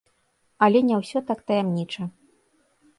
Але не ўсё так таямніча.